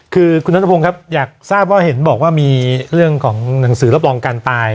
คือคุณนัทพงศ์ครับอยากทราบว่าเห็นบอกว่ามีเรื่องของหนังสือรับรองการตาย